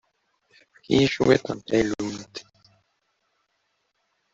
Efk-iyi cwiṭ n tallunt.